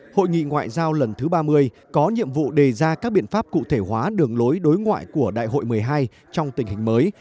hội nghị ngoại giao lần thứ ba mươi có nhiệm vụ đề ra các biện pháp cụ thể hóa đường lối đối ngoại của đại hội một mươi hai trong tình hình mới